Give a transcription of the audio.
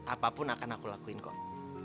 apapun akan aku lakuin kok